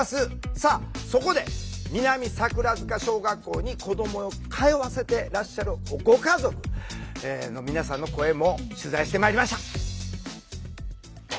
さあそこで南桜塚小学校に子どもを通わせてらっしゃるご家族の皆さんの声も取材してまいりました。